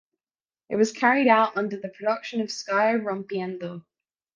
It was carried out under the production of Sky Rompiendo.